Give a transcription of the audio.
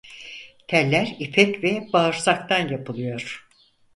Teller ipek ve bağırsaktan yapılıyor.